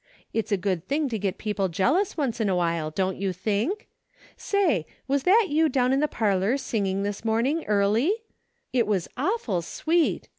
It's a good thing to get people jealous once in a while, don't you think ? Say, was that you down in the parlor singing this morn ing early ? It was awful sweet